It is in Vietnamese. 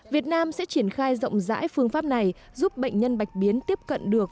việt nam sẽ triển khai rộng rãi phương pháp này giúp bệnh nhân bạch biến tiếp cận được